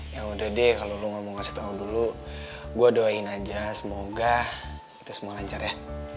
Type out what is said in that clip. ya udah deh kalo lo mau kasih tau dulu gue doain aja semoga itu semua lancar ya